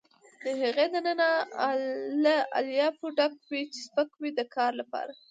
د هغې دننه له الیافو ډک وي چې سپک وي د کار لپاره.